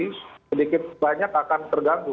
sedikit banyak akan terganggu